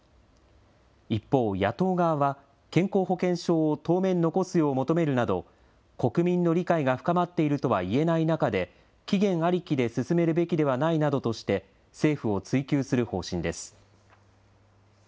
一方、野党側は、健康保険証を当面残すよう求めるなど、国民の理解が深まっているとは言えない中で、期限ありきで進めるべきではないなどとして、政府を追及する方針です。